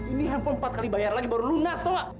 ini handphone empat kali bayar lagi baru lunas tolak